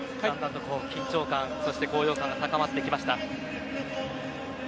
緊張感そして高揚感が高まってきました。